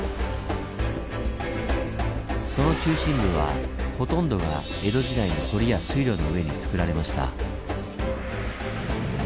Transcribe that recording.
その中心部はほとんどが江戸時代の堀や水路の上につくられました。